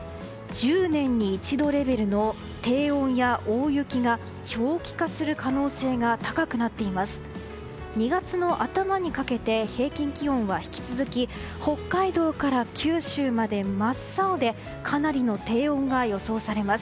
１０年に一度レベルの低温や大雪が長期化する可能性が高くなっています。